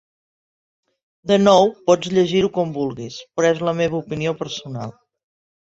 De nou, pots llegir-ho com vulguis, però és la meva opinió personal!